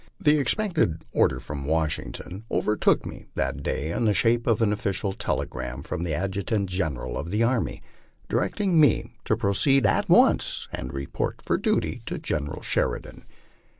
The expected order from Washington overtook me that day in the shape of an official telegram from the Adjutant General of the Army, direct ing me to proceed at once and report for duty to General Sheridan.